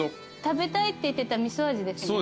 食べたいって言ってた味噌味ですね。